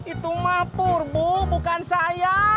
itu mah pur bu bukan saya